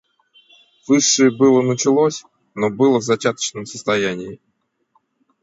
Высшее было, начиналось, но было в зачаточном состоянии.